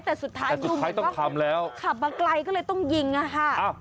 แต่สุดท้ายยุ่งเหมือนว่าขับมาไกลก็เลยต้องยิงค่ะแต่สุดท้ายต้องทำแล้ว